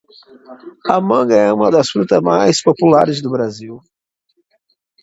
A manga é uma das frutas mais populares do Brasil.